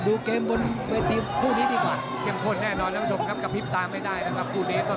ดูเกมส์บนเวทีมคู่นี้ดีกว่า